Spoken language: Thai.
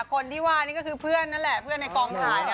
คนที่ว่านี่ก็คือเพื่อนนั่นแหละเพื่อนในกองถ่าย